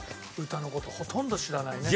歌の事ほとんど知らないね。